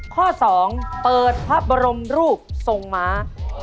ข้อสองเปิดภาพบรมรูปทรงม้า